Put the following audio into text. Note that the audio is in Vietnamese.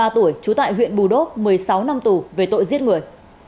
trú tại huyện bù đốt một mươi sáu năm tù về tội giết người